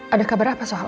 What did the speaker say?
ada kabar apa soal al